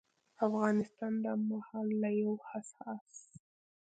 افغانستان دا مهال له يو حساس